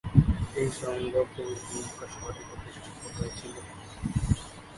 এই সংঘ পবিত্র মক্কা শহরে প্রতিষ্ঠিত হয়েছিল।